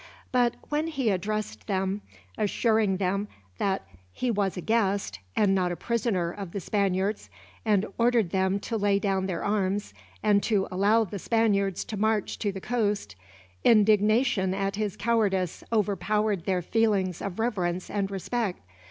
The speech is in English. But when he addressed them, assuring them that he was a guest, and not a prisoner, of the Spaniards; and ordered them to lay down their arms, and to allow the Spaniards to march to the coast, indignation at his cowardice overpowered their feelings of reverence and respect.